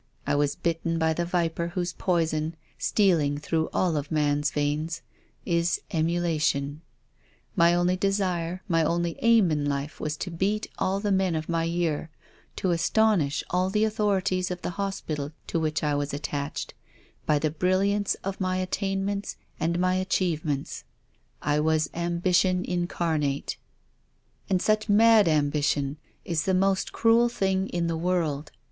I was bitten by the viper whose poi son, stealing through all a man's veins, is emula tion. My only desire, my only aim in life was to beat all the men of my year, to astonish all the autiioritics of the hospital to wiiich I was at tached by the brilliance of my nttainnKMits and my achievements, I was ambition incarnate, and such 204 TONGUES OF CONSCIENCE. mad ambition is the most cruel thing in the world.